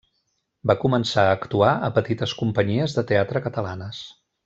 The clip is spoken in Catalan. Va començar a actuar a petites companyies de teatre catalanes.